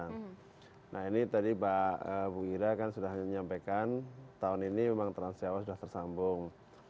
nah ini tadi pak bu gira kan sudah menyampaikan tahun ini memang trans jawa sudah tersambung